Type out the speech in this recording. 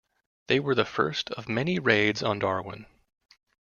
They were the first of many raids on Darwin.